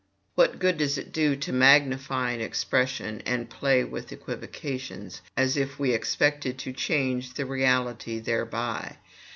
What good does it do to magnify an expression, and play with equivocations, as if we expected to change the reality thereby?